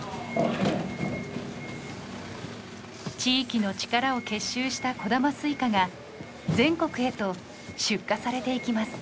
地域の力を結集した小玉スイカが全国へと出荷されていきます。